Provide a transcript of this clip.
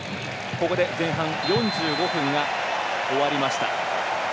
ここで前半４５分が終わりました。